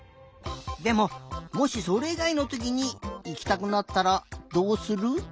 でももしそれいがいのときにいきたくなったらどうする？